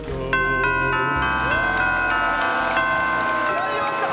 やりました！